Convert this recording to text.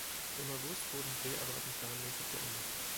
Im August wurden die Dreharbeiten planmäßig beendet.